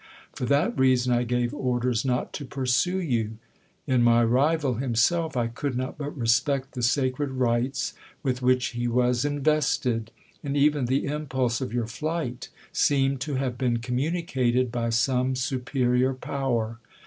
For that reason I gave orders not to pursue you. In my rival himself I could not but respect the sacred rights with which he was invested, and even the impulse of your flight seemed to have been communicated by some superior power.